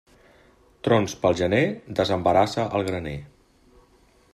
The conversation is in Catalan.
Trons pel gener, desembarassa el graner.